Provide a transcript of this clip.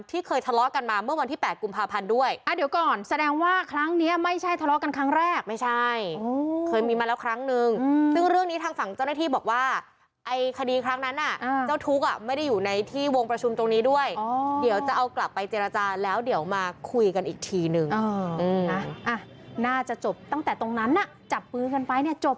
ไทยเคยทะเลาะกันมาเมื่อวันที่๘กพ